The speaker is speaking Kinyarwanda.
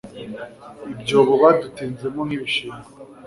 ibyobo Badutinzemo nkibishingwe